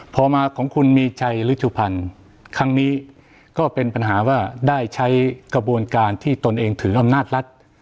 พอมาของคุณมีชัยฤชุพันธ์ครั้งนี้ก็เป็นปัญหาว่าได้ใช้กระบวนการที่ตนเองถืออำนาจรัฐ